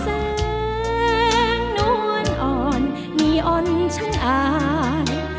เจอแสงน้วนอ่อนนี่อ่อนชั้นอาย